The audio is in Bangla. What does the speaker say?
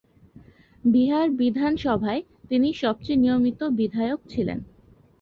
বিহার বিধানসভায় তিনি সবচেয়ে নিয়মিত বিধায়ক ছিলেন।